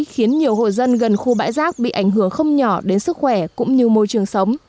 khiến nhiều hộ dân gần khu bãi rác bị ảnh hưởng không nhỏ đến sức khỏe cũng như môi trường sống